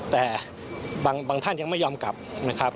แต่บางท่านยังไม่ยอมกลับนะครับ